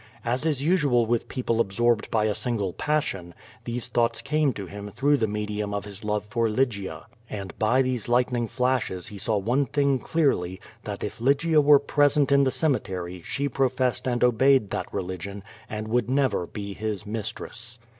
As is usual with people absorbed by a single passion, these thoughts came to him through the medium of his love for Lygia, and ])y these lightning flashes he saw one thing clearly, that if Lygia were jiresent in the cemetery she professed and obeyed that religion, and would never be his mistress.